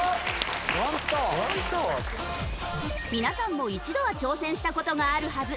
皆さんも一度は挑戦した事があるはず。